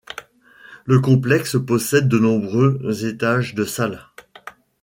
Le complexe possède de nombreux étages de salles.